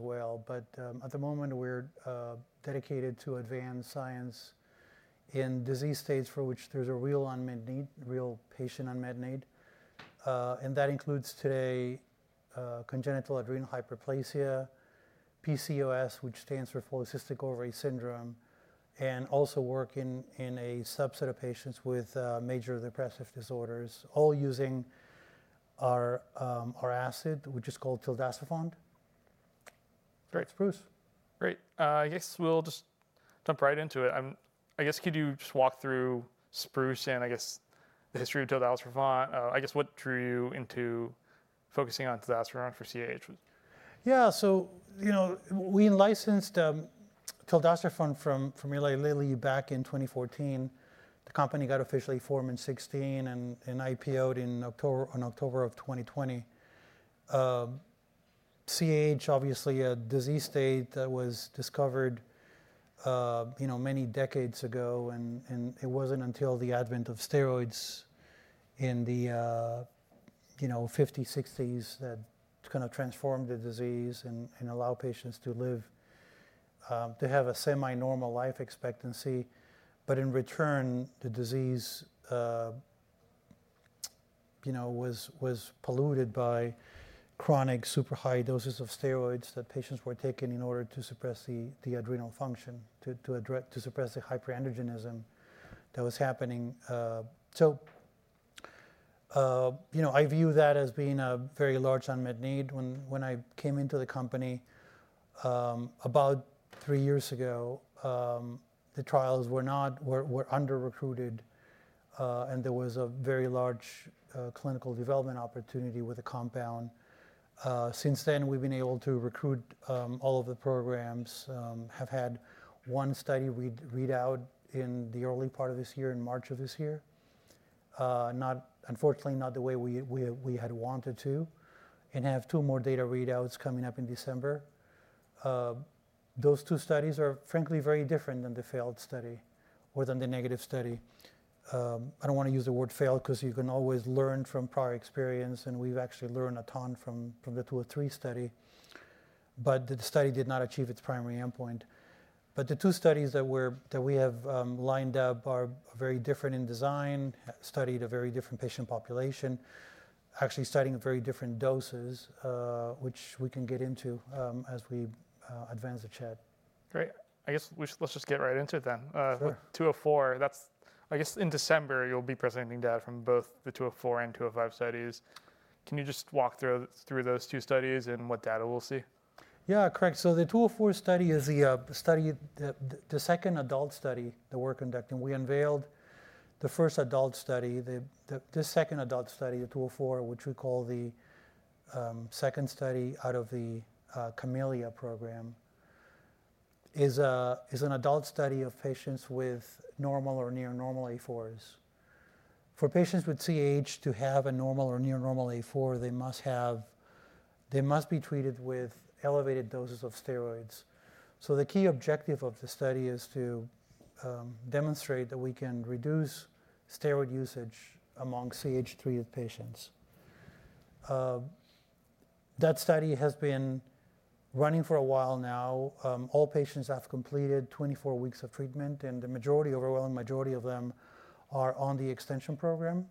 As well. But at the moment, we're dedicated to advanced science in disease states for which there's a real patient on Medicaid. And that includes, to date, congenital adrenal hyperplasia, PCOS, which stands for polycystic ovary syndrome, and also working in a subset of patients with major depressive disorders, all using our asset, which is called tildacerfont. Great. Spruce. Great. I guess we'll just jump right into it. I guess, could you just walk through Spruce and, I guess, the history of Tildacerfont? I guess, what drew you into focusing on tildacerfont for CAH? Yeah. So we licensed tildacerfont from Eli Lilly back in 2014. The company got officially formed in 2016 and IPO'd in October of 2020. CAH, obviously, a disease state that was discovered many decades ago. And it wasn't until the advent of steroids in the 1950s, 1960s that kind of transformed the disease and allowed patients to have a semi-normal life expectancy. But in return, the disease was polluted by chronic super high doses of steroids that patients were taking in order to suppress the adrenal function, to suppress the hyperandrogenism that was happening. So I view that as being a very large unmet need. When I came into the company about three years ago, the trials were under-recruited, and there was a very large clinical development opportunity with a compound. Since then, we've been able to recruit all of the programs, have had one study readout in the early part of this year, in March of this year, unfortunately, not the way we had wanted to, and have two more data readouts coming up in December. Those two studies are, frankly, very different than the failed study or than the negative study. I don't want to use the word failed because you can always learn from prior experience, and we've actually learned a ton from the 203 study. But the study did not achieve its primary endpoint, but the two studies that we have lined up are very different in design, studied a very different patient population, actually studying very different doses, which we can get into as we advance the chat. Great. I guess, let's just get right into it then. Sure. 204, I guess, in December, you'll be presenting data from both the 204 and 205 studies. Can you just walk through those two studies and what data we'll see? Yeah. Correct. So the 204 study is the second adult study that we're conducting. We unveiled the first adult study, this second adult study, the 204, which we call the second study out of the CAHmelia program, is an adult study of patients with normal or near normal A4s. For patients with CAH to have a normal or near normal A4, they must be treated with elevated doses of steroids. So the key objective of the study is to demonstrate that we can reduce steroid usage among CAH-treated patients. That study has been running for a while now. All patients have completed 24 weeks of treatment, and the overwhelming majority of them are on the extension program.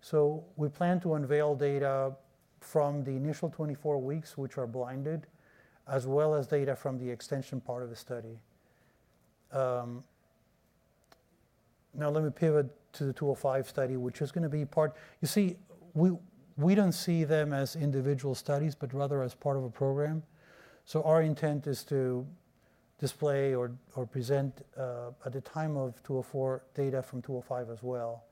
So we plan to unveil data from the initial 24 weeks, which are blinded, as well as data from the extension part of the study. Now, let me pivot to the 205 study, which is going to be part, you see, we don't see them as individual studies, but rather as part of a program. So our intent is to display or present, at the time of 204, data from 205 as well.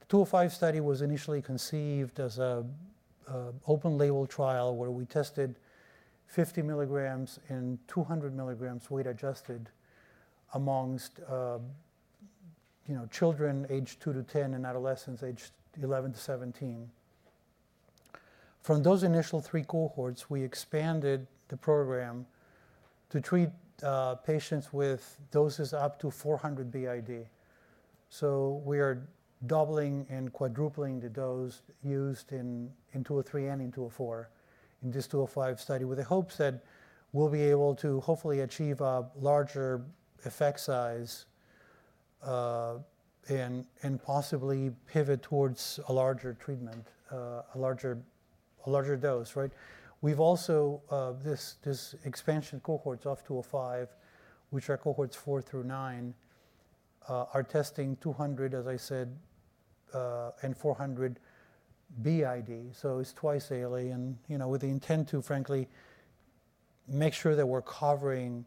The 205 study was initially conceived as an open-label trial where we tested 50 milligrams and 200 milligrams weight-adjusted among children aged 2 to 10 and adolescents aged 11 to 17. From those initial three cohorts, we expanded the program to treat patients with doses up to 400 b.i.d. So we are doubling and quadrupling the dose used in 203 and in 204 in this 205 study with the hopes that we'll be able to hopefully achieve a larger effect size and possibly pivot towards a larger treatment, a larger dose. Right? We've also this expansion cohorts of 205, which are cohorts 4 through 9, are testing 200, as I said, and 400 b.i.d. So it's twice daily and with the intent to, frankly, make sure that we're covering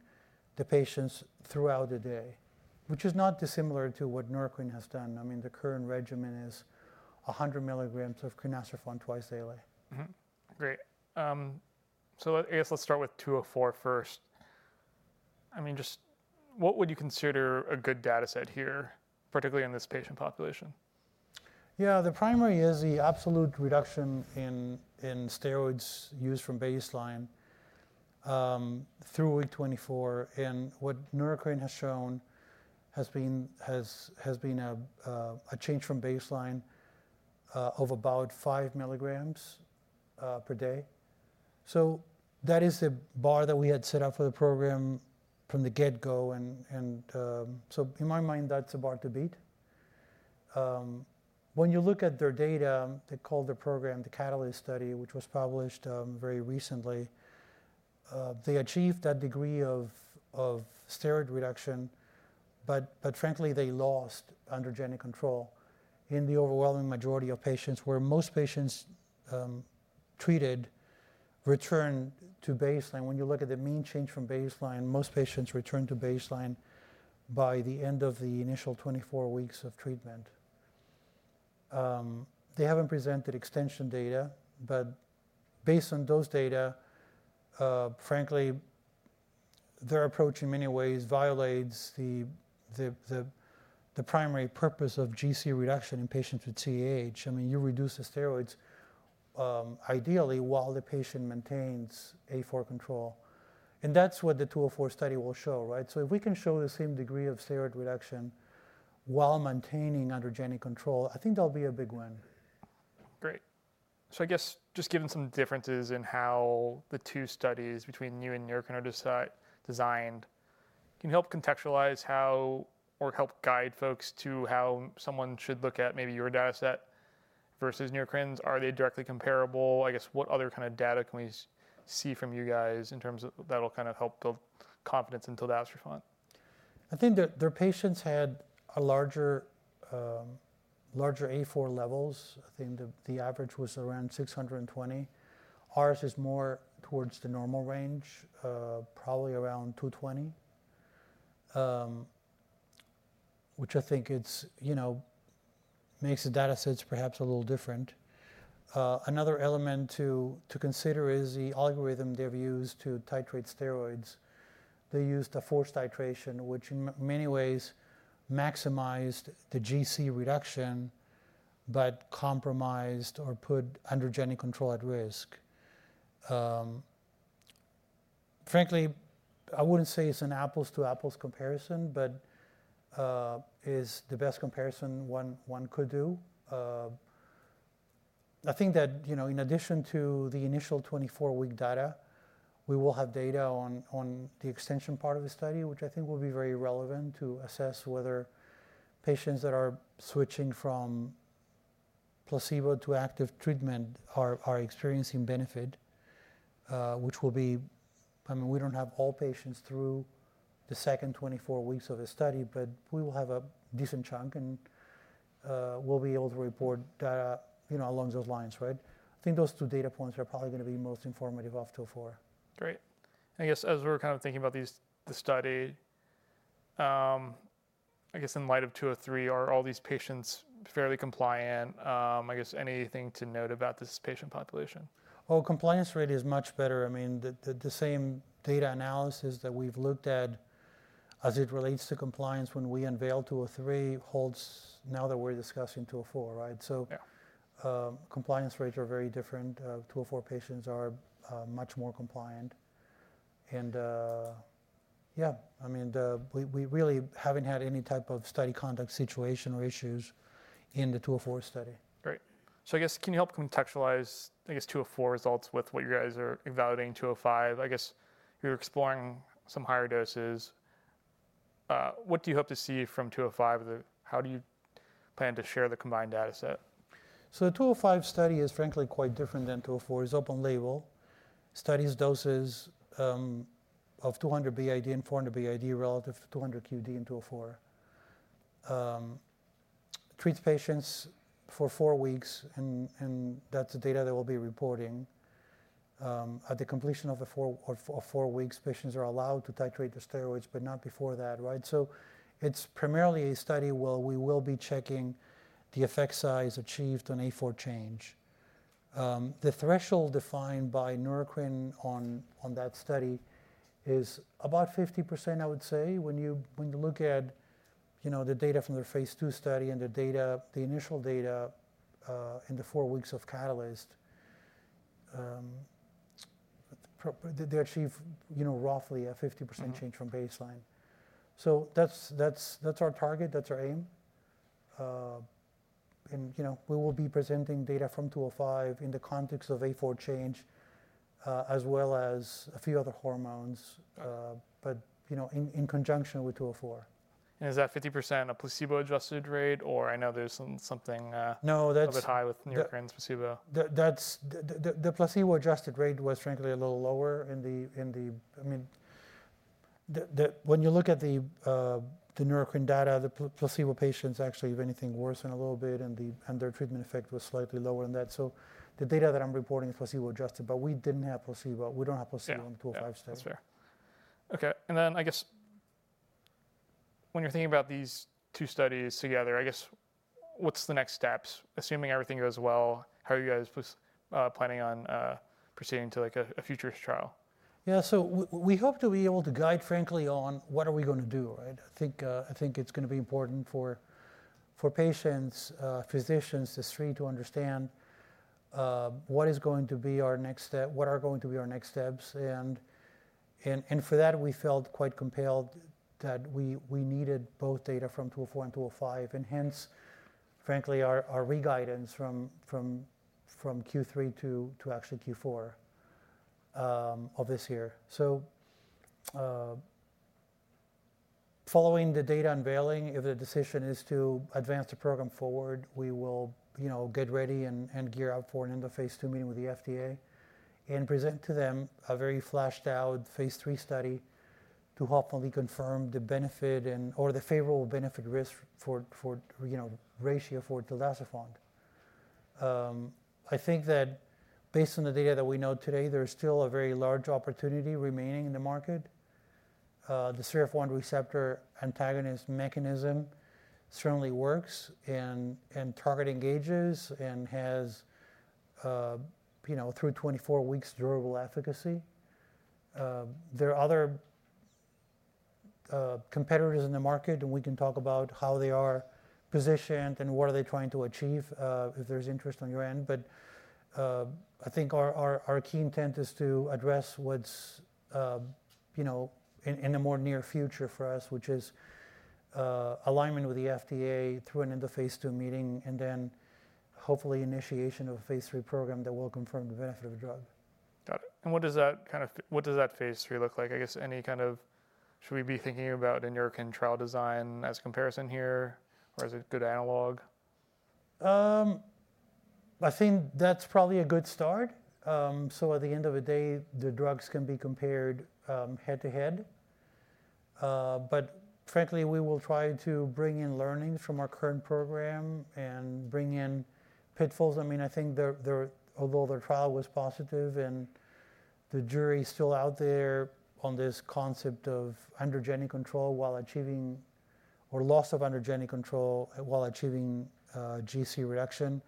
the patients throughout the day, which is not dissimilar to what Neurocrine has done. I mean, the current regimen is 100 milligrams of crinecerfont twice daily. Great. So I guess let's start with 204 first. I mean, just what would you consider a good data set here, particularly in this patient population? Yeah. The primary is the absolute reduction in steroids used from baseline through week 24. And what Neurocrine has shown has been a change from baseline of about five milligrams per day. So that is the bar that we had set up for the program from the get-go. And so in my mind, that's about to beat. When you look at their data, they call the program the CAHtalyst Study, which was published very recently. They achieved that degree of steroid reduction. But frankly, they lost androgenic control. In the overwhelming majority of patients, where most patients treated returned to baseline, when you look at the mean change from baseline, most patients returned to baseline by the end of the initial 24 weeks of treatment. They haven't presented extension data. But based on those data, frankly, their approach in many ways violates the primary purpose of GC reduction in patients with CAH. I mean, you reduce the steroids ideally while the patient maintains A4 control. And that's what the 204 study will show. Right? So if we can show the same degree of steroid reduction while maintaining androgenic control, I think that'll be a big win. Great. So I guess, just given some differences in how the two studies between you and Neurocrine are designed, can you help contextualize how or help guide folks to how someone should look at maybe your data set versus Neurocrine's? Are they directly comparable? I guess, what other kind of data can we see from you guys that'll kind of help build confidence in tildacerfont? I think their patients had larger A4 levels. I think the average was around 620. Ours is more towards the normal range, probably around 220, which I think makes the data sets perhaps a little different. Another element to consider is the algorithm they've used to titrate steroids. They used a forced titration, which in many ways maximized the GC reduction but compromised or put androgenic control at risk. Frankly, I wouldn't say it's an apples-to-apples comparison, but it's the best comparison one could do. I think that in addition to the initial 24-week data, we will have data on the extension part of the study, which I think will be very relevant to assess whether patients that are switching from placebo to active treatment are experiencing benefit, which will be I mean, we don't have all patients through the second 24 weeks of the study, but we will have a decent chunk. And we'll be able to report data along those lines. Right? I think those two data points are probably going to be most informative off 204. Great. I guess, as we're kind of thinking about the study, I guess, in light of 203, are all these patients fairly compliant? I guess, anything to note about this patient population? Compliance rate is much better. I mean, the same data analysis that we've looked at as it relates to compliance when we unveiled 203 holds now that we're discussing 204. Right? Compliance rates are very different. 204 patients are much more compliant. I mean, we really haven't had any type of study conduct situation or issues in the 204 study. Great. So I guess, can you help contextualize, I guess, 204 results with what you guys are evaluating in 205? I guess, you're exploring some higher doses. What do you hope to see from 205? How do you plan to share the combined data set? So the 205 study is, frankly, quite different than 204. It's open-label. Studies doses of 200 b.i.d. and 400 b.i.d. relative to 200 q.d. in 204. Treats patients for four weeks. And that's the data that we'll be reporting. At the completion of four weeks, patients are allowed to titrate the steroids, but not before that. Right? So it's primarily a study where we will be checking the effect size achieved on A4 change. The threshold defined by Neurocrine on that study is about 50%, I would say. When you look at the data from the phase 2 study and the initial data in the four weeks of Catalyst, they achieve roughly a 50% change from baseline. So that's our target. That's our aim. And we will be presenting data from 205 in the context of A4 change, as well as a few other hormones, but in conjunction with 204. Is that 50% a placebo-adjusted rate? Or I know there's something a little bit high with Neurocrine's placebo. The placebo-adjusted rate was, frankly, a little lower in the I mean, when you look at the Neurocrine data, the placebo patients actually have anything worse than a little bit. And their treatment effect was slightly lower than that. So the data that I'm reporting is placebo-adjusted. But we didn't have placebo. We don't have placebo on the 205 study. Yeah. That's fair. OK. And then, I guess, when you're thinking about these two studies together, I guess, what's the next steps? Assuming everything goes well, how are you guys planning on proceeding to a future trial? Yeah. So we hope to be able to guide, frankly, on what are we going to do. Right? I think it's going to be important for patients, physicians, to understand what is going to be our next step, what are going to be our next steps. And for that, we felt quite compelled that we needed both data from 204 and 205. And hence, frankly, our re-guidance from Q3 to actually Q4 of this year. So following the data unveiling, if the decision is to advance the program forward, we will get ready and gear up for another phase two meeting with the FDA and present to them a very fleshed-out phase three study to hopefully confirm the benefit or the favorable benefit risk ratio for tildacerfont. I think that based on the data that we know today, there is still a very large opportunity remaining in the market. The CRF1 receptor antagonist mechanism certainly works and target engages and has through 24 weeks durable efficacy. There are other competitors in the market, and we can talk about how they are positioned and what are they trying to achieve if there's interest on your end, but I think our key intent is to address what's in the more near future for us, which is alignment with the FDA through an end-of-phase two meeting and then hopefully initiation of a phase three program that will confirm the benefit of the drug. Got it. And what does that kind of phase three look like? I guess, any kind of should we be thinking about a Neurocrine trial design as comparison here? Or is it a good analog? I think that's probably a good start. So at the end of the day, the drugs can be compared head-to-head. But frankly, we will try to bring in learnings from our current program and bring in pitfalls. I mean, I think although their trial was positive and the jury is still out there on this concept of androgenic control while achieving or loss of androgenic control while achieving GC reduction,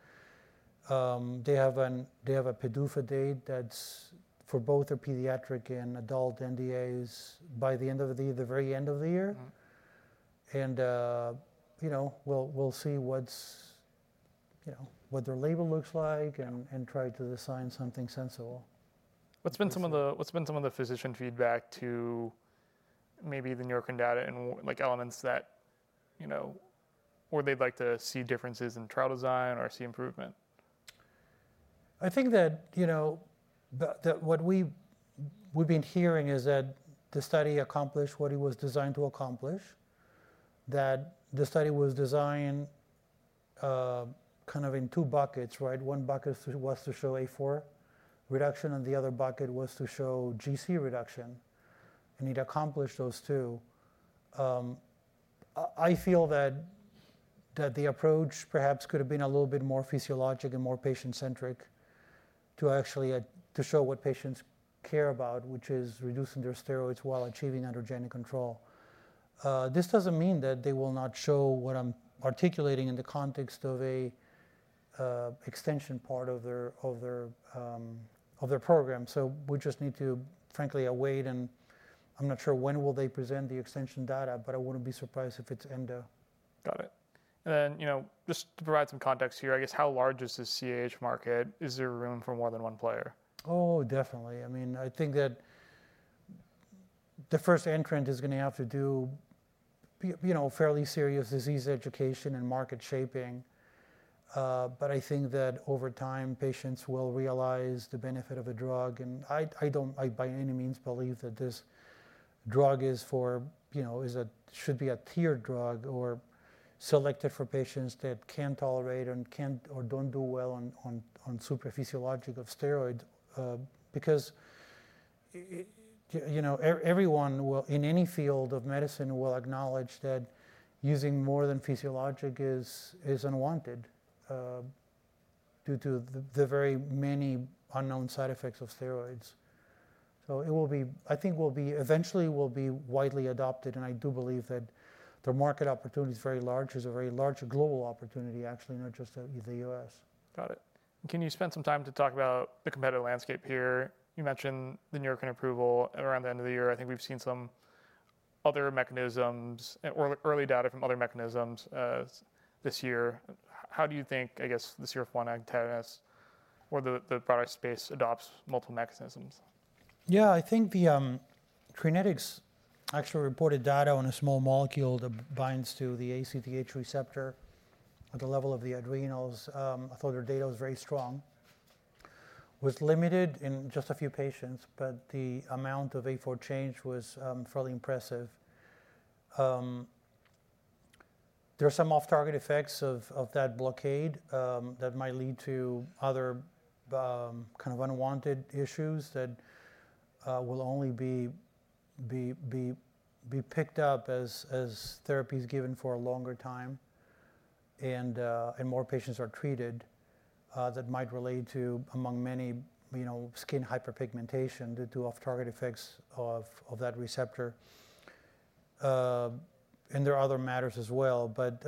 they have a PDUFA date that's for both the pediatric and adult NDAs by the end of the year, the very end of the year. And we'll see what their label looks like and try to design something sensible. What's been some of the physician feedback to maybe the Neurocrine data and elements where they'd like to see differences in trial design or see improvement? I think that what we've been hearing is that the study accomplished what it was designed to accomplish, that the study was designed kind of in two buckets. Right? One bucket was to show A4 reduction, and the other bucket was to show GC reduction. And it accomplished those two. I feel that the approach perhaps could have been a little bit more physiologic and more patient-centric to actually show what patients care about, which is reducing their steroids while achieving androgenic control. This doesn't mean that they will not show what I'm articulating in the context of an extension part of their program. So we just need to, frankly, await. And I'm not sure when will they present the extension data. But I wouldn't be surprised if it's end of. Got it, and then just to provide some context here, I guess, how large is the CAH market? Is there room for more than one player? Oh, definitely. I mean, I think that the first entrant is going to have to do fairly serious disease education and market shaping. But I think that over time, patients will realize the benefit of a drug. And I don't, by any means, believe that this drug should be a tiered drug or selected for patients that can tolerate or don't do well on supraphysiologic doses of steroids. Because everyone in any field of medicine will acknowledge that using more than physiologic doses is unwanted due to the very many unknown side effects of steroids. So I think it will eventually be widely adopted. And I do believe that the market opportunity is very large. It's a very large global opportunity, actually, not just in the U.S. Got it. Can you spend some time to talk about the competitive landscape here? You mentioned the Neurocrine approval around the end of the year. I think we've seen some other mechanisms or early data from other mechanisms this year. How do you think, I guess, the CRF1 antagonist or the product space adopts multiple mechanisms? Yeah. I think the Crinetics actually reported data on a small molecule that binds to the ACTH receptor at the level of the adrenals. I thought their data was very strong. It was limited in just a few patients. But the amount of A4 change was fairly impressive. There are some off-target effects of that blockade that might lead to other kind of unwanted issues that will only be picked up as therapies given for a longer time and more patients are treated that might relate to, among many, skin hyperpigmentation due to off-target effects of that receptor. And there are other matters as well. But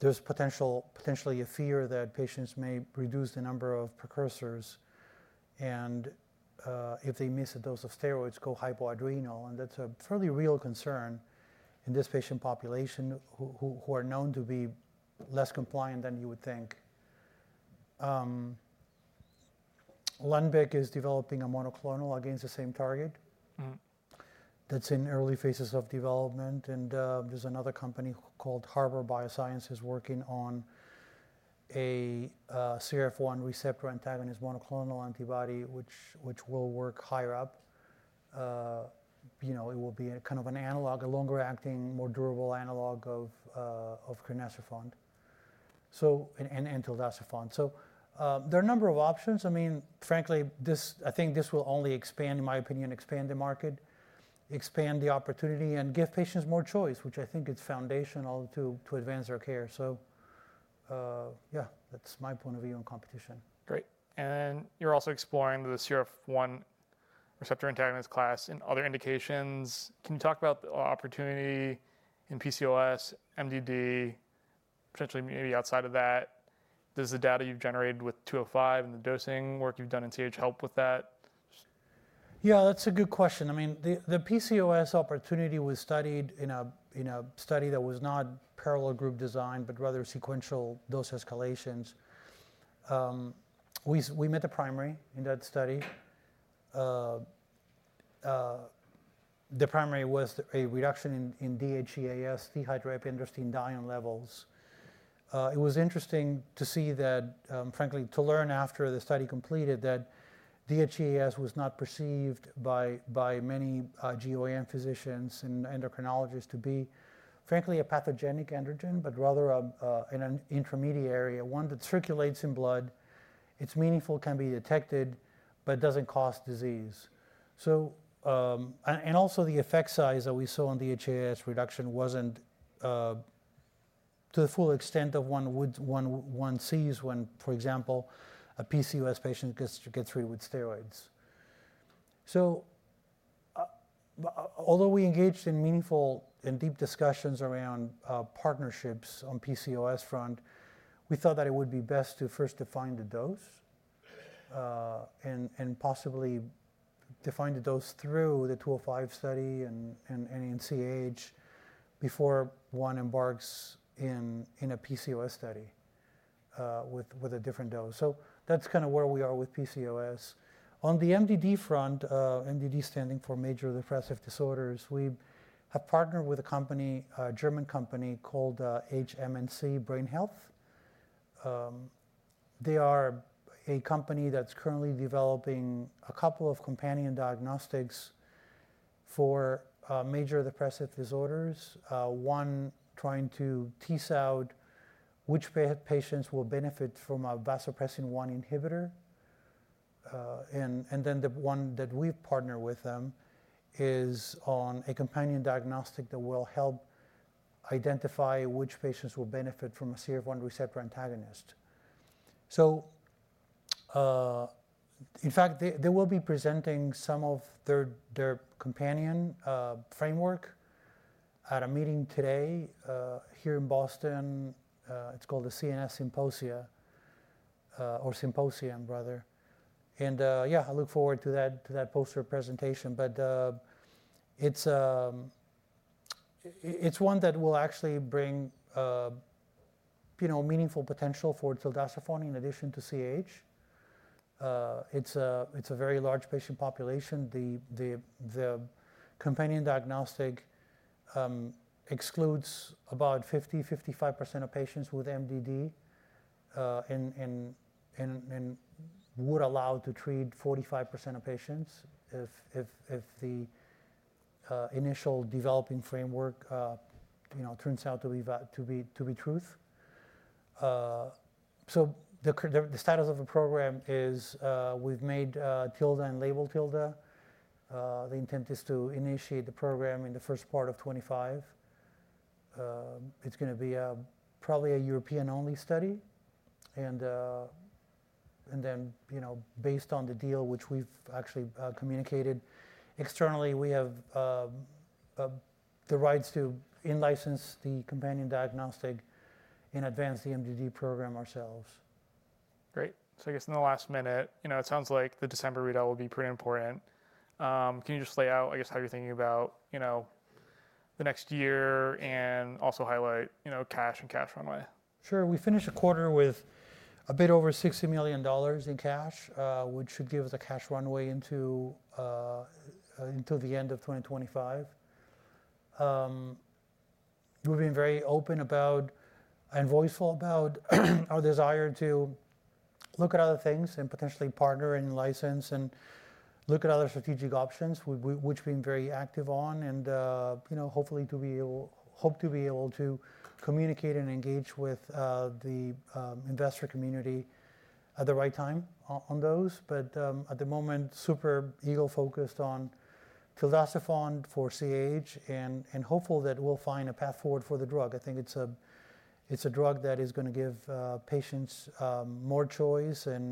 there's potentially a fear that patients may reduce the number of precursors. And if they miss a dose of steroids, go hypoadrenal. And that's a fairly real concern in this patient population who are known to be less compliant than you would think. Lundbeck is developing a monoclonal against the same target. That's in early phases of development. And there's another company called Harbour BioMed working on a CRF1 receptor antagonist monoclonal antibody, which will work higher up. It will be kind of an analog, a longer-acting, more durable analog of tildacerfont and tildacerfont. So there are a number of options. I mean, frankly, I think this will only expand, in my opinion, expand the market, expand the opportunity, and give patients more choice, which I think is foundational to advance their care. So yeah, that's my point of view on competition. Great. And then you're also exploring the CRF1 receptor antagonist class in other indications. Can you talk about the opportunity in PCOS, MDD, potentially maybe outside of that? Does the data you've generated with 205 and the dosing work you've done in CAH help with that? Yeah. That's a good question. I mean, the PCOS opportunity was studied in a study that was not parallel group design, but rather sequential dose escalations. We met the primary in that study. The primary was a reduction in DHEAS, dehydroepiandrosterone sulfate, levels. It was interesting to see that, frankly, to learn after the study completed, that DHEAS was not perceived by many GYN physicians and endocrinologists to be, frankly, a pathogenic androgen, but rather an intermediary area, one that circulates in blood. It's meaningful, can be detected, but doesn't cause disease. And also, the effect size that we saw on DHEAS reduction wasn't to the full extent of one sees when, for example, a PCOS patient gets treated with steroids. So although we engaged in meaningful and deep discussions around partnerships on PCOS front, we thought that it would be best to first define the dose and possibly define the dose through the 205 study and in CAH before one embarks in a PCOS study with a different dose. So that's kind of where we are with PCOS. On the MDD front, MDD standing for major depressive disorders, we have partnered with a German company called HMNC Brain Health. They are a company that's currently developing a couple of companion diagnostics for major depressive disorders, one trying to tease out which patients will benefit from a vasopressin V1b receptor antagonist. And then the one that we've partnered with them is on a companion diagnostic that will help identify which patients will benefit from a CRF1 receptor antagonist. So in fact, they will be presenting some of their companion diagnostic framework at a meeting today here in Boston. It's called the CNS Summit. And yeah, I look forward to that poster presentation. But it's one that will actually bring meaningful potential for tildacerfont in addition to CAH. It's a very large patient population. The companion diagnostic excludes about 50%-55% of patients with MDD and would allow to treat 45% of patients if the initial developing framework turns out to be true. So the status of the program is we've made Tilda and label Tilda. The intent is to initiate the program in the first part of 2025. It's going to be probably a European-only study. And then based on the deal, which we've actually communicated externally, we have the rights to license the companion diagnostic and advance the MDD program ourselves. Great. So I guess in the last minute, it sounds like the December readout will be pretty important. Can you just lay out, I guess, how you're thinking about the next year and also highlight cash and cash runway? Sure. We finished the quarter with a bit over $60 million in cash, which should give us a cash runway into the end of 2025. We've been very open about and voiceful about our desire to look at other things and potentially partner and license and look at other strategic options, which we've been very active on and hopefully to be able to communicate and engage with the investor community at the right time on those, but at the moment super-focused on tildacerfont for CAH and hopeful that we'll find a path forward for the drug. I think it's a drug that is going to give patients more choice and.